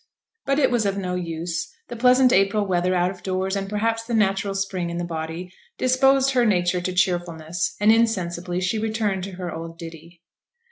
But it was of no use: the pleasant April weather out of doors, and perhaps the natural spring in the body, disposed her nature to cheerfulness, and insensibly she returned to her old ditty.